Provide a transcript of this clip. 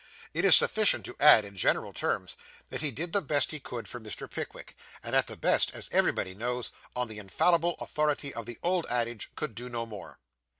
It is sufficient to add in general terms, that he did the best he could for Mr. Pickwick; and the best, as everybody knows, on the infallible authority of the old adage, could do no more.